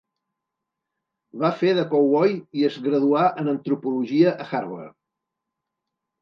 Va fer de cowboy i es graduà en antropologia a Harvard.